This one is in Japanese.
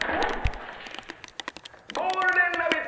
「ゴールデンラヴィット！」